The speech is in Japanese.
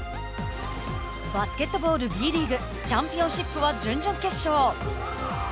バスケットボールＢリーグチャンピオンシップは準々決勝。